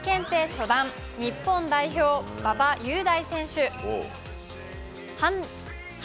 初段、日本代表、馬場雄大選手。